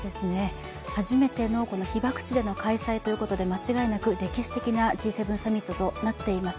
初めての被爆地での開催ということで、間違いなく歴史的なＧ７サミットとなっています。